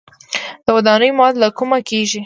د ودانیو مواد له کومه کیږي؟